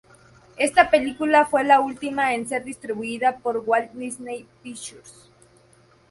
Esta película fue la última en ser distribuida por Walt Disney Pictures.